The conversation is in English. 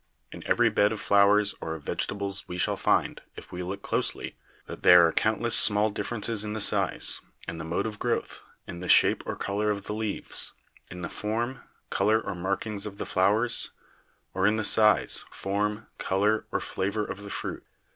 In every bed of flowers or of vegetables we shall find, if we look closely, that there are countless small differences in the size, in the mode of growth, in the shape or color of the leaves, in the form, color or markings of the flowers, or in the size, form, color or flavor of the fruit.